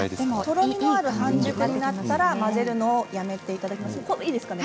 とろみのある半熟になったら混ぜるのをやめて頂きますがいいですかね？